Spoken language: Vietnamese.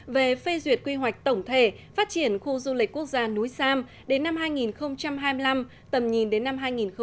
về phê duyệt quy hoạch tổng thể phát triển khu du lịch quốc gia núi sam đến năm hai nghìn hai mươi năm tầm nhìn đến năm hai nghìn ba mươi